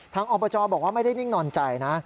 ทางออกประจอบบอกว่าไม่ได้นิ่งนอนใจนะ